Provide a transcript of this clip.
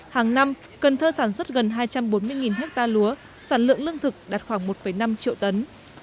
hàng năm cần thơ sản xuất gần hai trăm bốn mươi ha lúa sản lượng lương thực đạt khoảng một năm triệu tấn